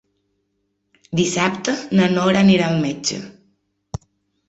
Dissabte na Nora anirà al metge.